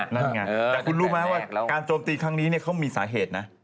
นั่นไงแต่คุณรู้ไหมว่าการโจมตีครั้งนี้เขามีสาเหตุนะ